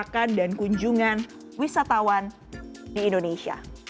di pergerakan dan kunjungan wisatawan di indonesia